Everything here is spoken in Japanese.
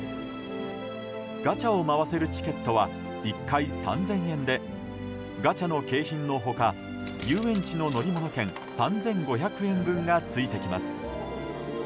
ガチャを回せるチケットは１回３０００円でガチャの景品の他、遊園地の乗り物券３５００円分がついてきます。